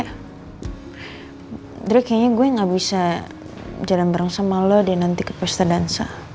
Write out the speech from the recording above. aduh kayaknya gue gak bisa jalan bareng sama lo deh nanti ke poster dansa